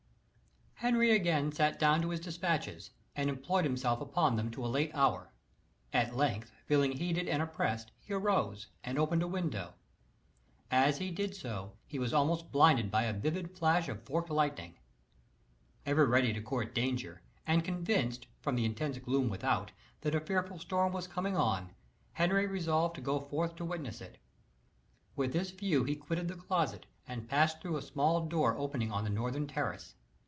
Henry again sat down to his despatches, and employed himself upon them to a late hour. At length, feeling heated and oppressed, he arose, and opened a window. As he did so, he was almost blinded by a vivid flash of forked lightning. Ever ready to court danger, and convinced, from the intense gloom without, that a fearful storm was coming on, Henry resolved to go forth to witness it. With this view he quitted the closet, and passed through a small door opening on the northern terrace.